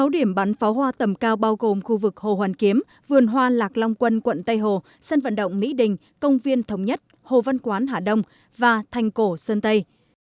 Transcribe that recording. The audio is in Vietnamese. sáu điểm bắn pháo hoa tầm cao bao gồm khu vực hồ hoàn kiếm vườn hoa lạc long quân quận tây hồ sân vận động mỹ đình công viên thống nhất hồ văn quán hạ đông và thành cổ sơn tây